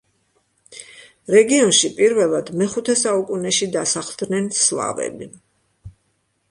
რეგიონში პირველად მეხუთე საუკუნეში დასახლდნენ სლავები.